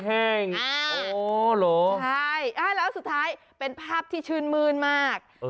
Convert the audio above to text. โอ้โหเหรอใช่แล้วสุดท้ายเป็นภาพที่ชื่นมื้นมาก